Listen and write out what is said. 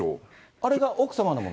あれが奥様のもの？